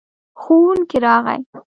ښوونکی راغی.